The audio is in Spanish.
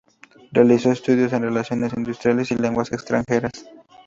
Realizó estudios en Relaciones Industriales y Lenguas Extranjeras.